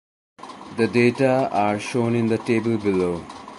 The data are shown in the table below.